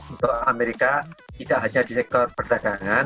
untuk amerika tidak hanya di sektor perdagangan